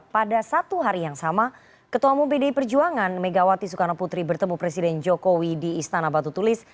pada satu hari yang sama ketua umum pdi perjuangan megawati soekarno putri bertemu presiden jokowi di istana batu tulis